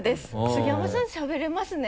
杉山さんしゃべれますね。